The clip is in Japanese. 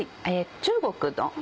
中国の。